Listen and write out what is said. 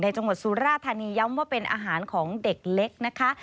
จังหวัดสุราธานีย้ำว่าเป็นอาหารของเด็กเล็กนะคะ